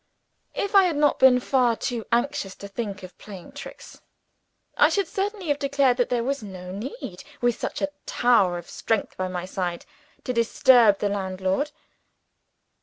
If I had not been far too anxious to think of playing tricks, I should certainly have declared that it was needless, with such a tower of strength by my side, to disturb the landlord.